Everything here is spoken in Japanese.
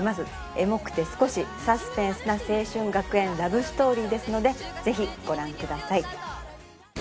エモくて少しサスペンスな青春学園ラブストーリーですのでぜひご覧ください